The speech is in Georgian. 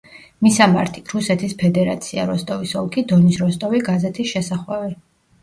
მისამართი: რუსეთის ფედერაცია, როსტოვის ოლქი დონის როსტოვი, გაზეთის შესახვევი.